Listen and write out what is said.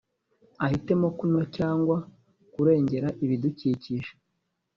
ahitemo kunywa cyangwa kurengera ibidukikije